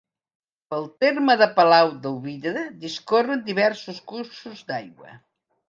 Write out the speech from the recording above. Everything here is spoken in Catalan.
Pel terme de Palau del Vidre discorren diversos cursos d'aigua.